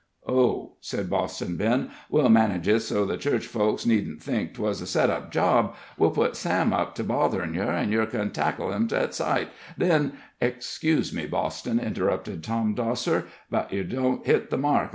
"Oh," said Boston Ben, "we'll manage it so the church folks needn't think 'twas a set up job. We'll put Sam up to botherin' yer, and yer can tackle him at sight. Then " "Excuse me, Boston," interrupted Tom Dosser, "but yer don't hit the mark.